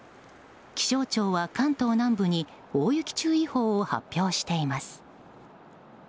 気象庁は、関東南部に大雪注意報を発表しています。